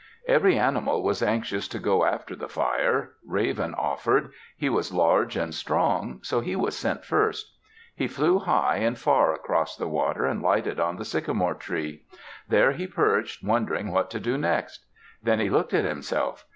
Every animal was anxious to go after the fire. Raven offered. He was large and strong, so he was sent first. He flew high and far across the water, and lighted on the sycamore tree. There he perched, wondering what to do next. Then he looked at himself.